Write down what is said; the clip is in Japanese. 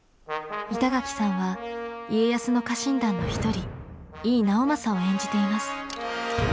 板垣さんは家康の家臣団の一人井伊直政を演じています。